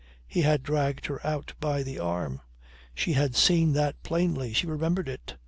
He had dragged her out by the arm. She had seen that plainly. She remembered it.